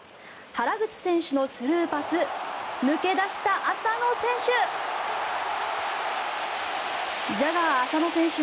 原口選手のスルーパス抜け出した浅野選手。